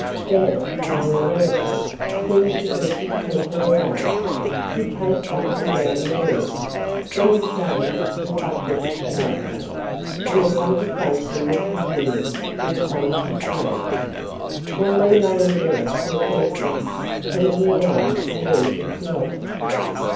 Bennett, by another effort, seemed to grip his temper again. He paced up and down the room. Then he changed the subject abruptly, and the conversation was resumed with some constraint. ........ While Elaine and Bennett were talking, Kennedy and I had entered the office.